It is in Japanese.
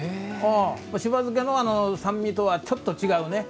しば漬けの酸味とはちょっと違うね。